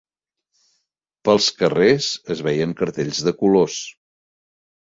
Pels carrers es veien cartells de colors